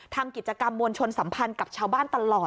ทำกิจกรรมมวลชนสัมพันธ์กับชาวบ้านตลอด